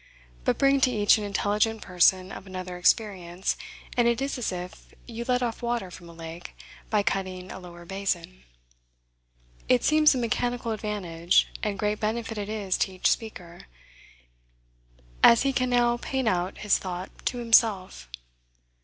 But bring to each an intelligent person of another experience, and it is as if you let off water from a lake, by cutting a lower basin. It seems a mechanical advantage, and great benefit it is to each speaker, as he can now paint out his thought to himself.